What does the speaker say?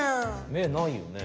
目ないよね。